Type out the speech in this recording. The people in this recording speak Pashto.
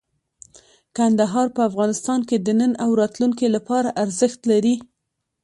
کندهار په افغانستان کې د نن او راتلونکي لپاره ارزښت لري.